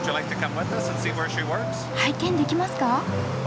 拝見できますか？